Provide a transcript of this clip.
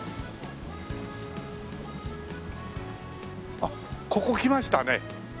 あっここ来ましたね。